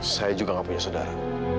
saya juga gak punya saudara